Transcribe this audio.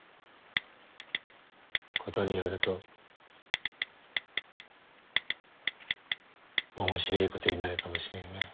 事によると面白えことになるかもしれんがや。